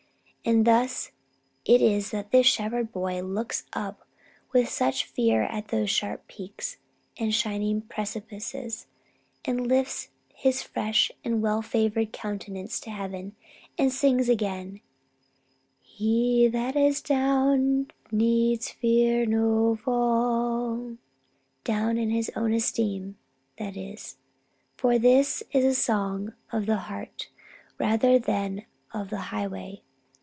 And thus it is that this shepherd boy looks up with such fear at those sharp peaks and shining precipices, and lifts his fresh and well favoured countenance to heaven and sings again: "He that is down, needs fear no fall." Down in his own esteem, that is. For this is a song of the heart rather than of the highway.